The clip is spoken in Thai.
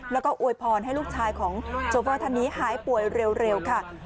แล้วก็อวยพรให้ลูกชายของโชเฟอร์ท่านนี้หายป่วยเร็วค่ะ